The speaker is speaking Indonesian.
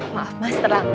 maaf mas terlalu agak